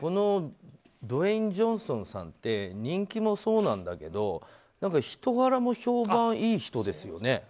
ドウェイン・ジョンソンさんって人気もそうなんだけど人柄も評判いい人ですよね。